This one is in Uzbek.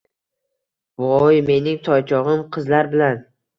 Voy, mening toychog‘im qizlar bilan.